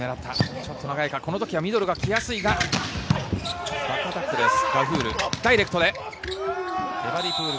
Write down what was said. ちょっと長いか、この時はミドルが来やすいがバックアタックです、ガフール。